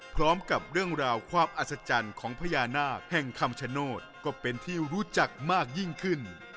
พร้อมกับเรื่องราวความอัศจรรย์ของพญานาคแห่งคำชโนธก็เป็นที่รู้จักมากยิ่งขึ้น